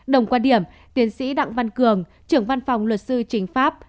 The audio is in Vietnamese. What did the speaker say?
đồng quan điểm tiến sĩ đặng văn cường trưởng văn phòng luật sư chính pháp